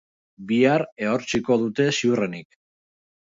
Bihar ehortziko dute ziurrenik.